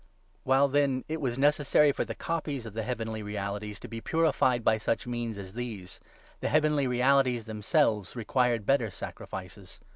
While, then, it was necessary for the copies of 23 «• regard. the heavenly realities to be purified by such 'Vrielrt!* means as these, the heavenly realities themselves required better sacrifices.